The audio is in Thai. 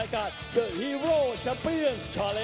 กันต่อแพทย์จินดอร์